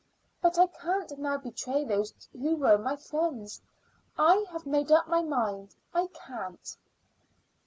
But I can't now betray those who were my friends. I have made up my mind; I can't."